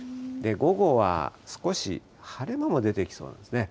午後は少し晴れ間も出てきそうなんですね。